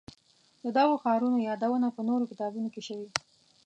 د دغو ښارونو یادونه په نورو کتابونو کې شوې.